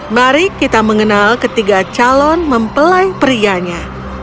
mari kita mengenal ketiga calon mempelai prianya